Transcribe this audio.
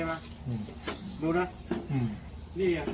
สำนักรักคุณพี่